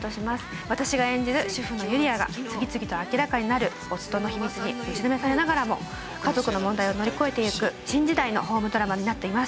私が演じる主婦のゆりあが次々と明らかになる夫の秘密に打ちのめされながらも家族の問題を乗り越えていく新時代のホームドラマになっています。